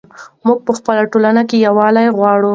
موږ په خپله ټولنه کې یووالی غواړو.